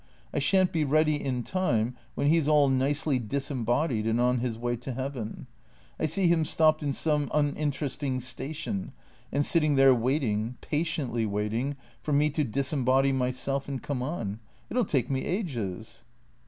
I shan't be ready in time when he 's all nicely disembodied and on his way to heaven. I see him stopped at some uninteresting station, and sitting there waiting — patiently waiting — for me to dis embody myself and come on. It '11 take me ages."